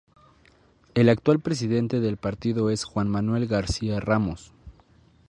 El actual Presidente del partido es Juan Manuel García Ramos.